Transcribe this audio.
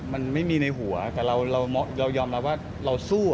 มันไม่มีในหัวแต่เรายอมรับว่าเราสู้